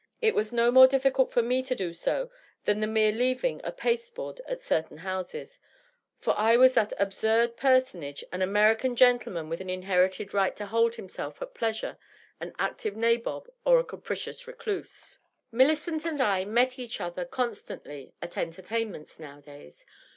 It was no more difficult for me to do so than the mere leaving of paste board at certain houses ; for I was that absurd personage, an American gentleman with an inherited right to hold himself at pleasure an active nabob or a capricious reduse. Millicent and I met each other constantly at entertainments, nowadays.